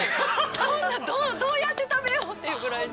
こんなどうやって食べようっていうぐらいに。